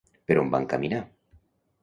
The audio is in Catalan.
Per on van caminar?